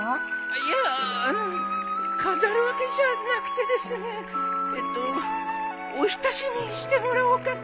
いやあの飾るわけじゃなくてですねえっとおひたしにしてもらおうかと。